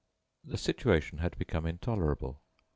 The situation had become intolerable.